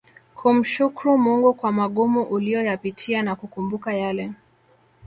kumshukru Mungu kwa magumu uliyoyapitia na kukumbuka yale